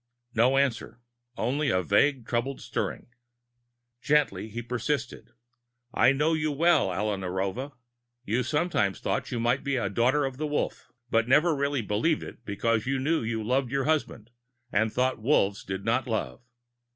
No answer only a vague, troubled stirring. Gently he persisted: "I know you well, Alla Narova. You sometimes thought you might be a Daughter of the Wolf, but never really believed it because you knew you loved your husband and thought Wolves did not love.